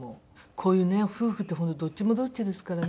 こういうね夫婦って本当どっちもどっちですからね。